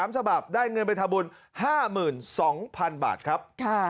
๓ฉบับได้เงินไปทำบุญ๕๒๐๐๐บาทครับ